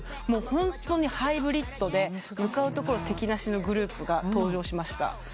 ホントにハイブリッドで向かうところ敵なしのグループが登場しました。